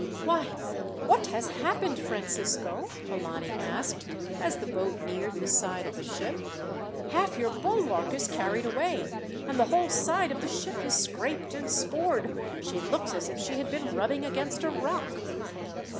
"Why, what has happened, Francisco?" Polani asked, as the boat neared the side of the ship. "Half your bulwark is carried away, and the whole side of the ship is scraped and scored. She looks as if she had been rubbing against a rock."